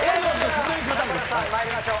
まいりましょう。